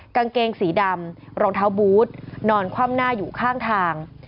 กางเกงสีดำรองเท้าบูธนอนคว่ำหน้าอยู่ข้างทาง